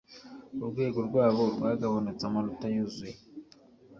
urwego rwabo rwagabanutse amanota yuzuye